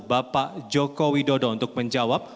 bapak joko widodo untuk menjawab